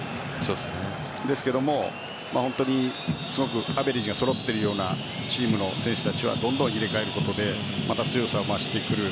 ですが、すごくアベレージが揃っているようなチームの選手たちはどんどん入れ替えることでまた強さを増してくる。